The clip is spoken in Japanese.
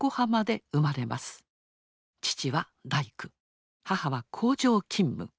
父は大工母は工場勤務。